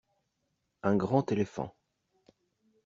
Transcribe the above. Un grand éléphant.